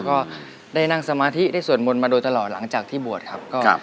ก็ได้นั่งสมาธิได้สวดมนต์มาโดยตลอดหลังจากที่บวชครับ